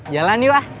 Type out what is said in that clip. jalan yuk ah